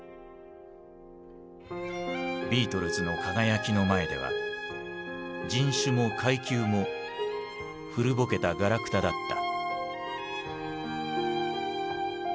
ビートルズの輝きの前では人種も階級も古ぼけたがらくただった。